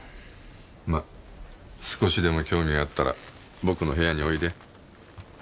ま少しでも興味があったら僕の部屋においで。